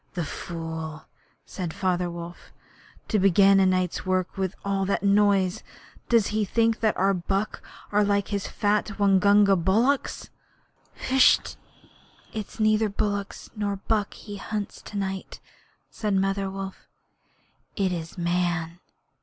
'The fool!' said Father Wolf. 'To begin a night's work with that noise. Does he think that our buck are like his fat Waingunga bullocks?' 'H'sh. It is neither bullock nor buck he hunts to night,' said Mother Wolf. 'It is Man.'